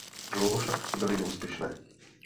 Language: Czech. Dlouho však byly neúspěšné.